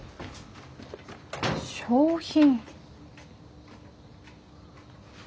賞品？